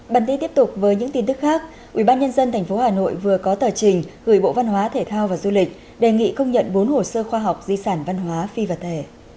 bản tin tiếp tục với những tin tức khác ubnd tp hà nội vừa có tờ trình gửi bộ văn hóa thể thao và du lịch đề nghị công nhận bốn hồ sơ khoa học di sản văn hóa phi vật thể